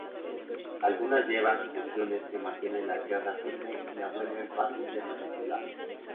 Algunas llevan sujeciones que mantienen la sierra firme y la vuelven fácil de manipular.